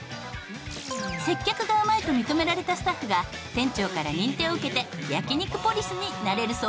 接客がうまいと認められたスタッフが店長から認定を受けて焼肉ポリスになれるそうです。